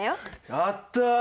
やったあ！